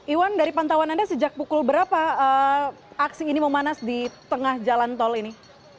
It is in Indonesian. iwan dari pantauan anda sejak pukul berapa aksi ini memanas di tengah jalan tol ini